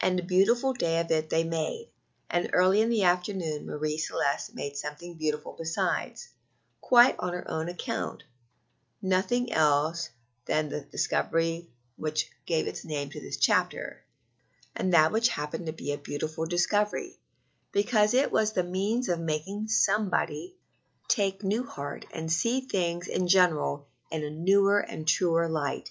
And a beautiful day of it they made; and early in the afternoon Marie Celeste made something beautiful besides, quite on her own account nothing else than the discovery which gives its name to this chapter, and which happened to be a beautiful discovery, because it was the means of making somebody take new heart and see things in general in a newer and truer light.